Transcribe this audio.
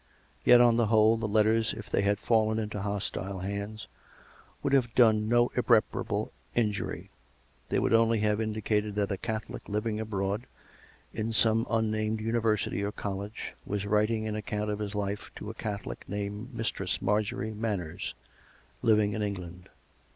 Yet, on the whole, the letters, if they had fallen into hostile hands, would have done no irreparable injury; they would only have indicated that a Catholic living abroad, in some unnamed university or col lege, was writing an account of his life to a Catholic named Mistress Marjorie Manners, living in England.